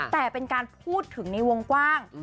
แต่เป็นการพูดถึงในวงกว้าง